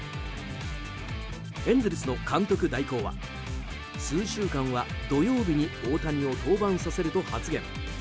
エンゼルスの監督代行は数週間は土曜日に大谷を登板させると発言。